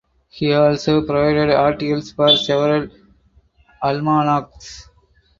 He also provided articles for several almanacs.